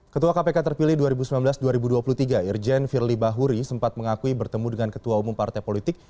ketua kpk terpilih dua ribu sembilan belas dua ribu dua puluh tiga irjen firly bahuri sempat mengakui bertemu dengan ketua umum partai politik